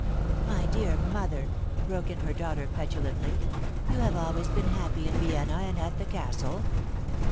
"My dear mother," broke in her daughter petulantly, "you have always been happy in Vienna and at the Castle."